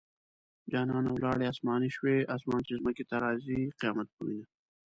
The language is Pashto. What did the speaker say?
جانانه ولاړې اسماني شوې - اسمان چې ځمکې ته راځي؛ قيامت به وينه